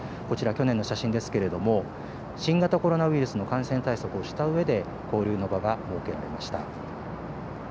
こちら、去年の写真ですけれども、新型コロナウイルスの感染対策をしたうえで、交流の場が設けられました。